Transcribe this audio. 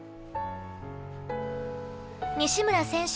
西村選手